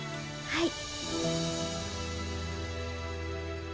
はい。